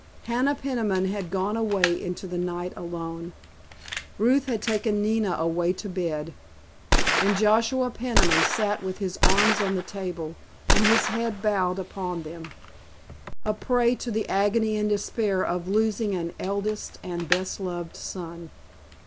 Hannah Peniman had gone away into the night alone, Ruth had taken Nina away to bed, and Joshua Peniman sat with his arms on the table and his head bowed upon them, a prey to the agony and despair of losing an eldest and best beloved son.